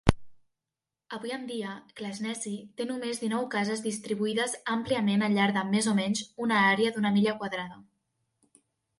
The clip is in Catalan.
Avui en dia, Clashnessie té només dinou cases distribuïdes àmpliament al llarg de més o menys un àrea d'una milla quadrada.